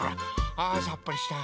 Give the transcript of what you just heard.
あさっぱりした。